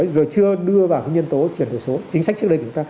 rồi chưa đưa vào nhân tố chuyển đổi số chính sách trước đây của chúng ta